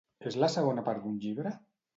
És la segona part d'un llibre?